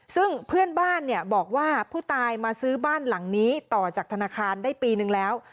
ซึ่งเพื่อนบ้านเนี่ยบอกว่าผู้ตายมาซื้อบ้านหลังนี้ต่อจากธนาคารได้ปีนึงแล้ว